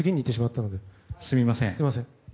すみません。